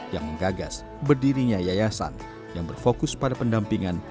yang menggagas berdirinya yayasan yang berfokus pada pendampingan